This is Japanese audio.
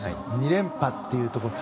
２連覇というところ。